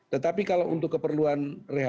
tetapi kalau untuk keperluan